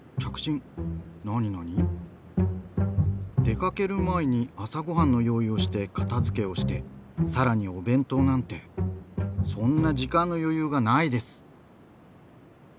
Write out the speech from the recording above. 「出かける前に朝ごはんの用意をして片付けをしてさらにお弁当なんてそんな時間の余裕がないです」。